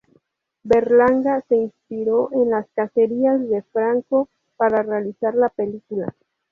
Berlanga se inspiró en las cacerías de Franco para realizar la película.